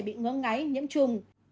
bị ngớ ngáy nhiễm trùng